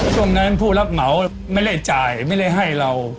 ช่วงนั้นผู้รับเหมาไม่ได้จ่ายไม่ได้ให้เรา